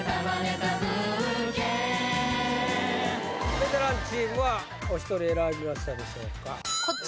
ベテランチームはお一人選びましたでしょうか？